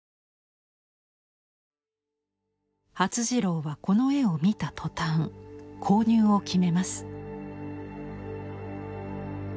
發次郎はこの絵を見たとたん購入を決めます。